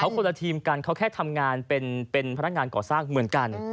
คนละทีมกันเขาแค่ทำงานเป็นพนักงานก่อสร้างเหมือนกัน